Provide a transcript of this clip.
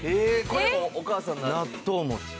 これもお母さんの味？